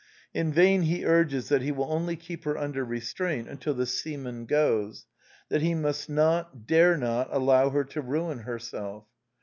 In vain he urges that he will only keep her under restraint until the seaman goes — that he must not, dare not, allow her to ruin herself.